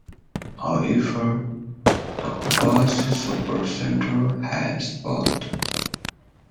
However, the Pudsey supercentre has both.